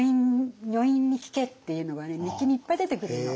「女院に聞け」っていうのがね日記にいっぱい出てくるの。